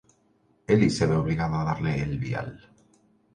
Ellis se ve obligado a darle el vial.